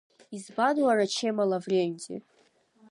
Избан, уара, чемо Лавренти?